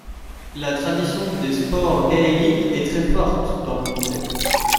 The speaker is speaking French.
La tradition des sports gaéliques est très forte dans le comté.